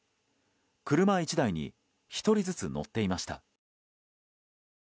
車１台に１人ずつ乗っていました。